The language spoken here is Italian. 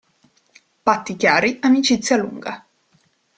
Patti chiari, amicizia lunga.